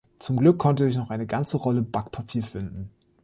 Zum Glück konnte ich noch eine ganze Rolle Backpapier finden.